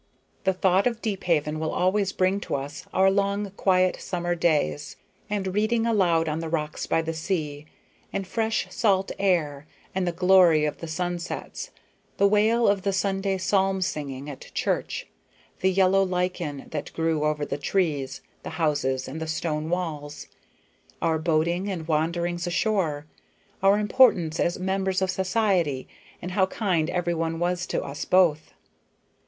The thought of Deephaven will always bring to us our long quiet summer days, and reading aloud on the rocks by the sea, the fresh salt air, and the glory of the sunsets; the wail of the Sunday psalm singing at church, the yellow lichen that grew over the trees, the houses, and the stone walls; our boating and wanderings ashore; our importance as members of society, and how kind every one was to us both.